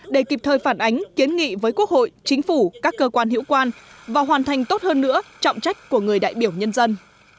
để kịp thời phản ánh kiến nghị với quốc hội chính phủ các cơ quan hiệu quan và hoàn thành tốt hơn nữa trọng trách của người đại biểu nhân dân